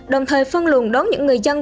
đồng thời phân luồn đón những người dân